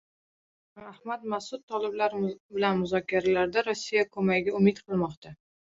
Ahmad Mas’ud toliblar bilan muzokaralarda Rossiya ko‘magiga umid qilmoqda